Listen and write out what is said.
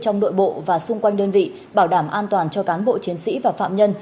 trong nội bộ và xung quanh đơn vị bảo đảm an toàn cho cán bộ chiến sĩ và phạm nhân